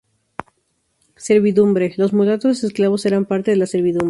Servidumbre: Los mulatos esclavos eran parte de la servidumbre.